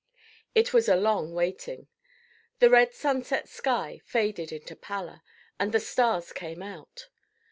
It was a long waiting. The red sunset sky faded into pallor, and the stars came out.